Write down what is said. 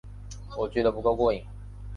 我觉得不够过瘾